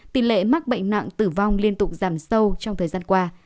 tỷ lệ mắc bệnh nặng tử vong liên tục giảm sâu trong thời gian qua